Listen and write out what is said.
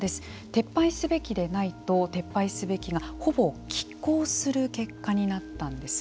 撤廃すべきでないと撤廃がすべきがほぼきっ抗する結果になったんです。